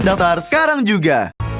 daftar sekarang juga